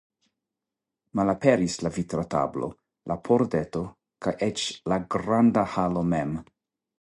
Malaperis la vitra tablo, la pordeto, kaj eĉ la granda halo mem.